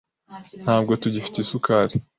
Ntabwo tugifite isukari.